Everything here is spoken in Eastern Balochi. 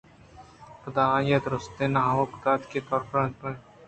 پدا آئیءَ دُرٛستان حکم دات کہ دربیااَنت ءُبہ روانت